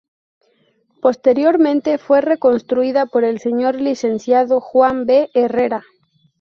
Posteriormente fue reconstruida por el Señor Licenciado Juan B. Herrera.